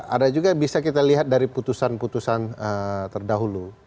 ada juga yang bisa kita lihat dari putusan putusan terdahulu